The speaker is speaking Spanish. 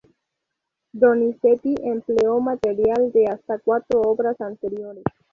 Donizetti empleó material de hasta cuatro obras anteriores.